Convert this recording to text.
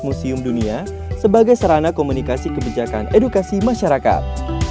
museum dunia sebagai sarana komunikasi kebijakan edukasi masyarakat